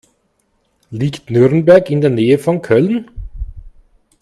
Liegt Nürnberg in der Nähe von Köln?